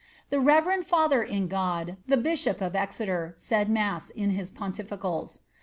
The reverend fiither in God, the bishop of Exeter, said mass in his pontificals.'